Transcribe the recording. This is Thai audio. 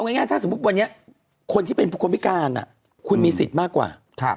ก็จะมีคนรับมา